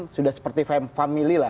sudah seperti family lah